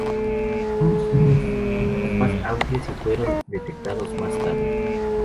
Ambos tienen órbitas más amplias y fueron detectados más tarde.